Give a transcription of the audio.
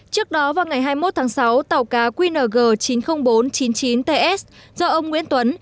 trước đó vào ngày hai mươi một tháng sáu tàu cá qng chín mươi nghìn bốn trăm chín mươi chín ts do ông nguyễn tuấn